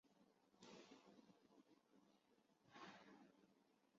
该片问世时因议题敏感遭到大陆禁播。